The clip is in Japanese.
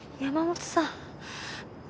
山本さん。